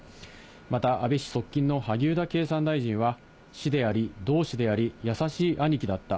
また安倍氏側近の萩生田経産大臣は、師であり同志であり、優しい兄貴だった。